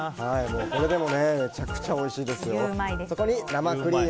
これ、めちゃくちゃおいしいですよ。